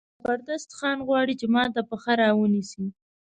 زبردست خان غواړي چې ما ته پښه را ونیسي.